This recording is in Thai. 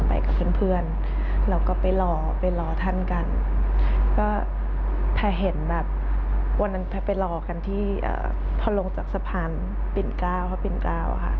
ไปกับเพื่อนเพื่อนเราก็ไปรอไปรอท่านกันก็แพทย์เห็นแบบวันนั้นแพทย์ไปรอกันที่พอลงจากสะพานปิ่นเก้าพระปิ่นเก้าค่ะ